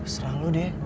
serah lo deh